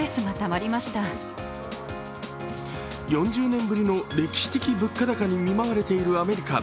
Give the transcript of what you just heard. ４０年ぶりの歴史的物価高に見舞われているアメリカ。